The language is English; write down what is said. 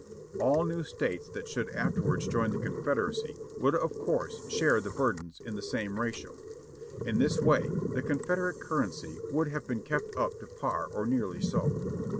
All new States that should afterwards join the Confederacy would of course share the burdens in the same ratio. In this way the Confederate currency would have been kept up to par or nearly so.